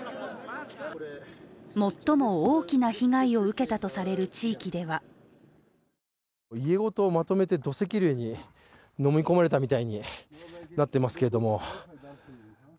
最も大きな被害を受けたとされる地域では家ごとまとめて土石流にのみ込まれたみたいになっていますけれども。